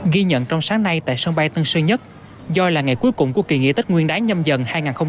ghi nhận trong sáng nay tại sân bay tân sơn nhất do là ngày cuối cùng của kỳ nghỉ tết nguyên đáng nhâm dần hai nghìn hai mươi bốn